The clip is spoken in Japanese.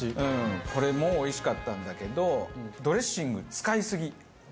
これもおいしかったんだけどドレッシング使いすぎ。